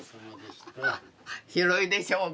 広いでしょうが。